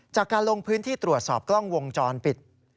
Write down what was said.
จากการลงพื้นที่ตรวจสอบกล้องวงจรปิด